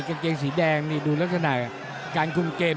กางเกงสีแดงนี่ดูลักษณะการคุมเกม